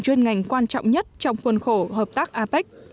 chuyên ngành quan trọng nhất trong khuôn khổ hợp tác apec